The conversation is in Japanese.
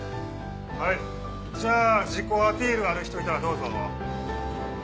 はいじゃあ自己アピールある人いたらどうぞ。